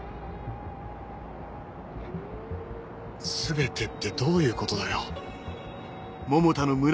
全てってどういうことだよ。